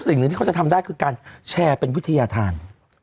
สิ่งหนึ่งที่เขาจะทำได้คือการแชร์เป็นวิทยาธาร